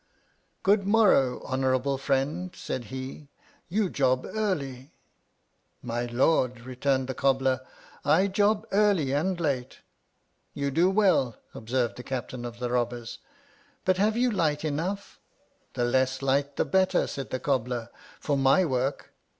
Good morrow, honour able friend, said he, you job early. My Lord, returned the cobbler, I job early and late. CharlcsDickeni.] THE THOUSAND AND ONE HUMBUGS. 291 You do well, observed the Captain of the Eobbers ; but, have you light enough ? The less light the better, said the cobbler, for my work.